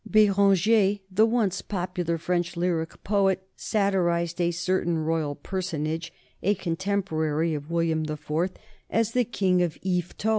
Béranger, the once popular French lyric poet, satirized a certain royal personage, a contemporary of William the Fourth, as the King of Yvetot.